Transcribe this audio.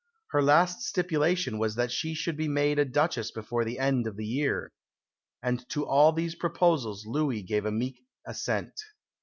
Her last stipulation was that she should be made a Duchess before the end of the year. And to all these proposals Louis gave a meek assent.